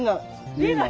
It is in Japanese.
見えない？